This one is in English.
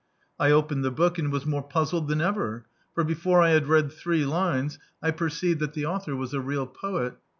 I opened the book, and was more puzzled than ever; for before I had read three lines I perceived that the author was a real poet.